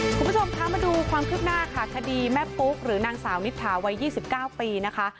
คุณผู้ชมคะมาดูความคืบหน้าค่ะคดีแม่ปุ๊กหรือนางสาวนิถาวัย๒๙ปีนะคะ